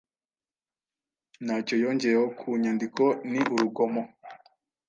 Ntacyo yongeyeho ku nyandiko ni urugomo